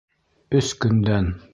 Өс көндән!